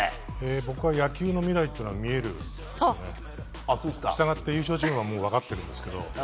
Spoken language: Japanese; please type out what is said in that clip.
僕は野球の未来が見えるんですが従って、優勝チームは分かっているんですけど。